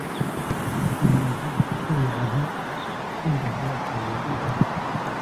umuntu utuye aho usumbabyose yibera